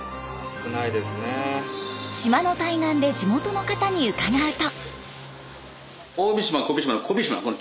島の対岸で地元の方に伺うと。